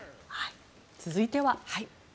続いては。